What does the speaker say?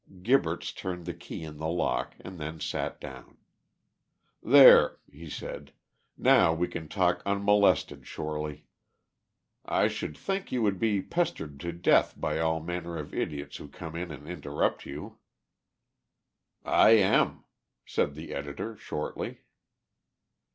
Gibberts turned the key in the lock, and then sat down. "There," he said; "now we can talk unmolested, Shorely. I should think you would be pestered to death by all manner of idiots who come in and interrupt you." "I am," said the editor, shortly.